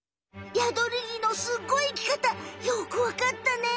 ヤドリギのすっごい生きかたよくわかったね！